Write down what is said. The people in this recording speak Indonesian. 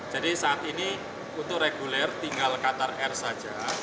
jadi saat ini untuk reguler tinggal qatar air saja